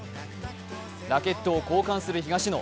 ラケットを交換する東野。